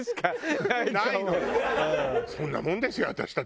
そんなもんですよ私たち。